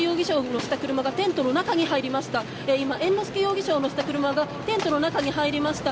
今、猿之助容疑者を乗せた車がテントに入りました。